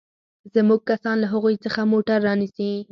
زموږ کسان له هغوى څخه موټر رانيسي.